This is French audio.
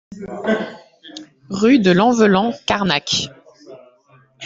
Rue de Lanvelan, Carnac